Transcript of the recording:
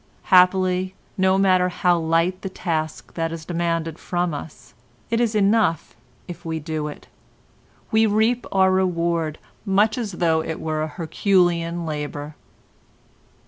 Happily, no matter how light the task that is demanded from us, it is enough if we do it; we reap our reward, much as though it were a Herculean labour.